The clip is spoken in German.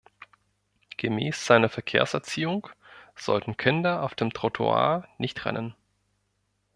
Gemäss seiner Verkehrserziehung sollten Kinder auf dem Trottoir nicht rennen.